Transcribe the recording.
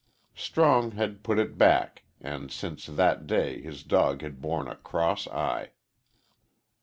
Strong had put it back, and since that day his dog had borne a cross eye.